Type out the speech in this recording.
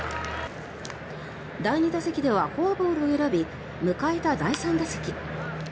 第２打席ではフォアボールを選び迎えた第３打席。